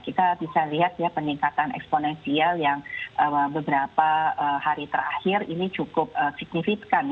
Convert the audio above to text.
kita bisa lihat ya peningkatan eksponensial yang beberapa hari terakhir ini cukup signifikan